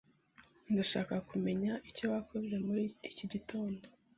Ndashaka kumenya icyo wakoze muri iki gitondo.